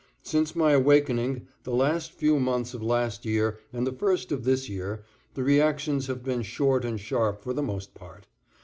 Since my awakening the last few months of last year and the first of this year, the reactions have been short and sharp for the most part.